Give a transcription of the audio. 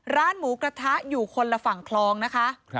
ร้านหมูกระทะอยู่คนละฝั่งคลองนะคะ